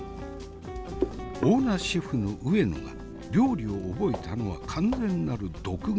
オーナーシェフの上野が料理を覚えたのは完全なる独学。